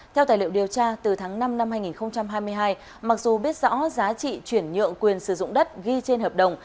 theo tài liệu điều tra từ tháng năm năm hai nghìn hai mươi hai mặc dù biết rõ giá trị chuyển nhượng quyền sử dụng đất ghi trên hợp đồng